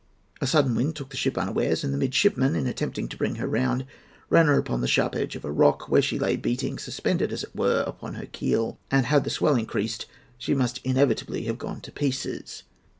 A sudden wind took the ship unawares, and the midshipman, in attempting to bring her round, ran her upon the sharp edge of a rock, where she lay beating, suspended, as it were, upon her keel; and, had the swell increased, she must inevitably have gone to pieces.